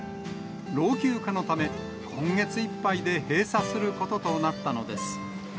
老朽化のため、今月いっぱいで閉鎖することとなったのです。